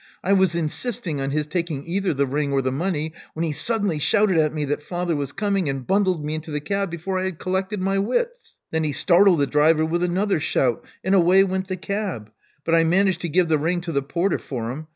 I was insisting on his taking either the ring or the money, when he suddenly shouted at me that father was coming, and bundled me into the cab before I had collected my wits. Then he startled the driver with another shout; and away went the cab. But I managed to give the ring to the porter for him.